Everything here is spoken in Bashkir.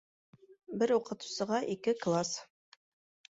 Бер уҡытыусыға — ике класс.